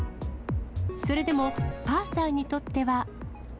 それでも、パーサーにとっては。